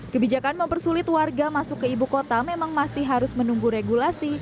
kebijakan mempersulit warga masuk ke ibu kota memang masih harus menunggu regulasi